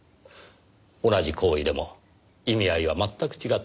同じ行為でも意味合いは全く違ってきます。